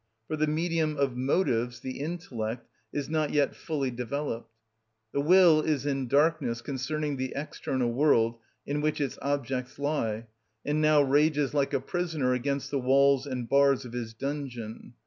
For the medium of motives, the intellect, is not yet fully developed. The will is in darkness concerning the external world, in which its objects lie, and now rages like a prisoner against the walls and bars of his dungeon.